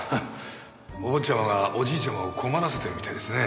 お坊ちゃまがおじいちゃまを困らせてるみたいですね。